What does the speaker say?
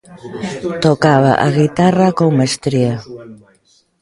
Tocaba a guitarra con mestría.